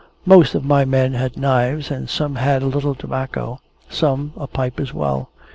Most of my men had knives, and some had a little tobacco: some, a pipe as well.